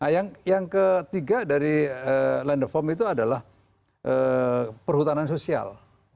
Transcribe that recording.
nah yang ketiga dari land of home itu adalah perhutanan sosial